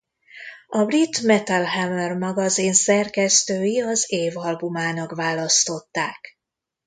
A brit Metal Hammer magazin szerkesztői az év albumának választották.